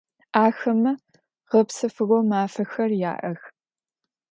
Axeme ğepsefığo mafexer ya'ex.